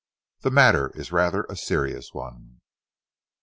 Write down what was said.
"The matter is rather a serious one."